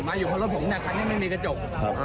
เพราะรถผมเนี่ยครั้งนี้ไม่มีกระจก